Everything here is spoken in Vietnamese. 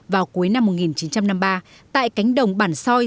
vào cuối năm một nghìn chín trăm năm mươi ba tại cánh đồng bản soi